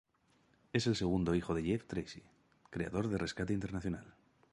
Es el segundo hijo de "Jeff Tracy" creador de "Rescate Internacional".